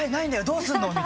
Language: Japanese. どうすんの？」